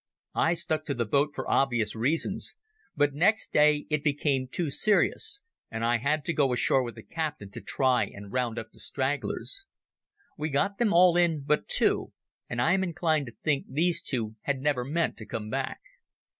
I stuck to the boat for obvious reasons, but next day it became too serious, and I had to go ashore with the captain to try and round up the stragglers. We got them all in but two, and I am inclined to think these two had never meant to come back.